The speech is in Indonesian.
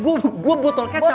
gue botol kecap